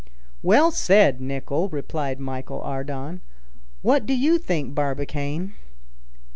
"Well said, Nicholl," replied Michel Ardan. "What do you think, Barbicane?"